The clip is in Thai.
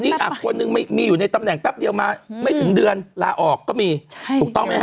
เร็วด้วยค่ะไปไปไปไม่ถึงเดือนลาออกก็มีถูกต้องมั้ยนะครับ